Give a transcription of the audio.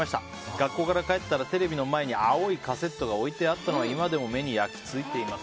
学校から帰ったらテレビの前に青いカセットが置いてあったのは今でも目に焼き付いてます。